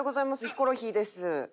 ヒコロヒーです。